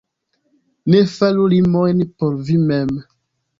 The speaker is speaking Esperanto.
Ne faru limojn por vi mem.